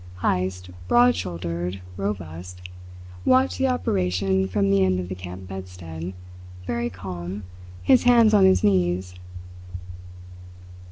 Heyst, broad shouldered, robust, watched the operation from the end of the camp bedstead, very calm, his hands on his knees.